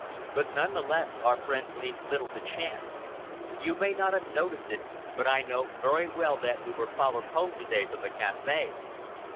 But none the less, our friends leave little to chance. You may not have noticed it, but I knew very well that we were followed home to day from the café.